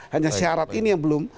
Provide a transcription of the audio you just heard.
hanya syarat ini yang belum